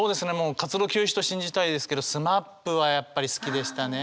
活動休止と信じたいですけどＳＭＡＰはやっぱり好きでしたね。